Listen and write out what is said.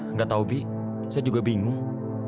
nggak tahu bi saya juga bingung